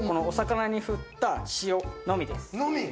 お魚に振った塩のみです。